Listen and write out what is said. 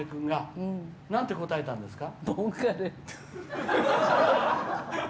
なんて答えたんですか？